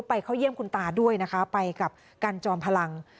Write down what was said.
เข้าเยี่ยมคุณตาด้วยนะคะไปกับกันจอมพลัง